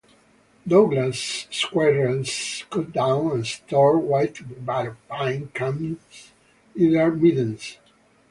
Douglas squirrels cut down and store whitebark pine cones in their middens.